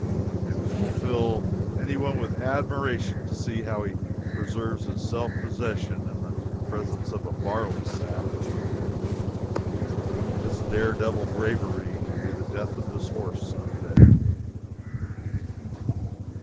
And it would fill any one with admiration to see how he preserves his self possession in the presence of a barley sack. This dare devil bravery will be the death of this horse some day.